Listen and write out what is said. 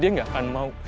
dia gak akan mau